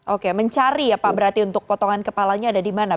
oke mencari ya pak berarti untuk potongan kepalanya ada di mana